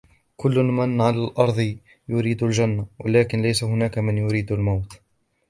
كل من على الأرض يريد الجنة، ولكن ليس هناك من يريد الموت.